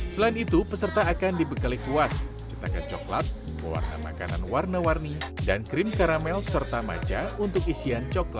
selain itu peserta akan dibekali kuas cetakan coklat warna makanan warna warni dan krim karamel serta maca untuk isian coklat